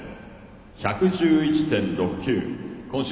１１１．６９。